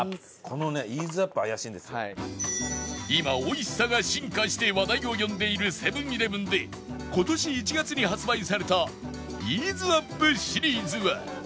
このね今美味しさが進化して話題を呼んでいるセブン−イレブンで今年１月に発売されたイーズアップシリーズは